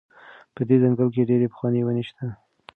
په دې ځنګل کې ډېرې پخوانۍ ونې شته.